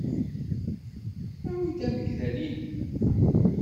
Awi-d amsegdal-nnem.